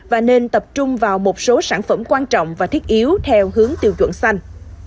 và nên tập trung vào một số sản phẩm quan trọng và thiết yếu theo hướng tiêu chuẩn xanh